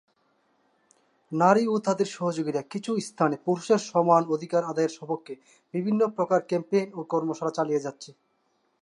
নারী ও তাদের সহযোগীরা কিছু স্থানে পুরুষের সমান অধিকার আদায়ের স্বপক্ষে বিভিন্ন প্রকার ক্যাম্পেইন ও কর্মশালা চালিয়ে যাচ্ছে।